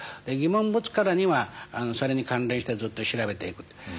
疑問を持つからにはそれに関連してずっと調べていく。